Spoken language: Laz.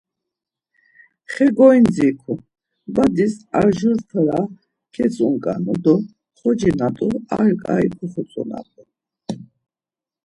Xe goidziǩu, badis ar jur fara ketzunǩanu do xoci na t̆u ar ǩai koxotzonapu.